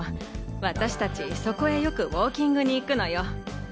私達そこへよくウォーキングに行くのよ。